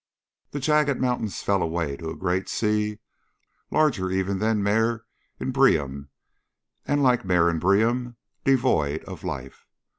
The jagged mountains fell away to a great sea, larger even than Mare Imbrium, and like Mare Imbrium, devoid of life.